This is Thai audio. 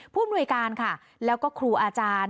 ผู้อำนวยการค่ะแล้วก็ครูอาจารย์